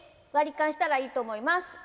割り勘したらいいと思います。